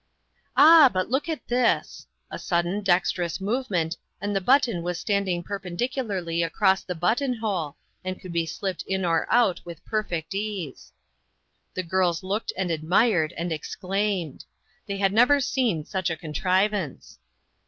" Ah, but look at this." A sudden, dex terous movement, and the button was standing perpendicularly across the button hole, and could be slipped in or out with perfect ease. The girls looked and admired and ex claimed. They had never seen such a con trivance.